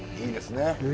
いいですね。